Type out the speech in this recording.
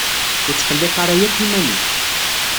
Ur ttqelliq ara yakk iman-ik.